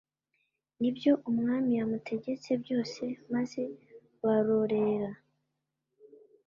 n’ibyo umwami yamutegetse byose maze barorera